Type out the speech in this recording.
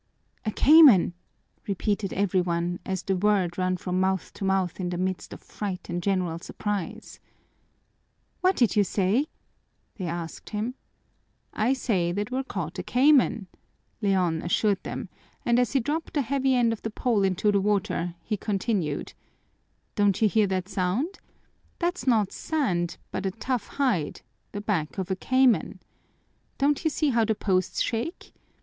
"A cayman!" repeated everyone, as the word ran from mouth to mouth in the midst of fright and general surprise. "What did you say?" they asked him. "I say that we're caught a cayman," Leon assured them, and as he dropped the heavy end of the pole into the water, he continued: "Don't you hear that sound? That's not sand, but a tough hide, the back of a cayman. Don't you see how the posts shake?